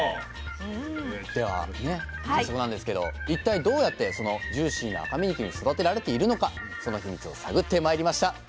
ではね早速なんですけど一体どうやってそのジューシーな赤身肉に育てられているのかそのヒミツを探ってまいりました。